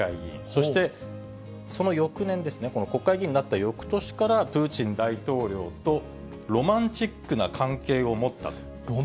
そしてその翌年ですね、この国会議員になったよくとしから、プーチン大統領とロマンチックな関係を持ったと。